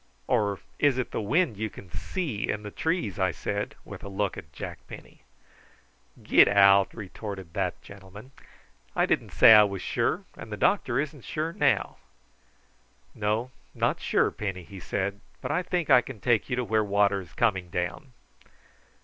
"Or is it the wind you can see in the trees?" I said, with a look at Jack Penny. "Get out!" retorted that gentleman. "I didn't say I was sure, and doctor isn't sure now." "No, not sure, Penny," he said; "but I think I can take you to where water is coming down."